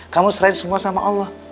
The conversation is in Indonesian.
kamu serahin semua sama allah